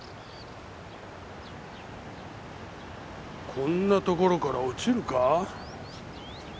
こんなところから落ちるか？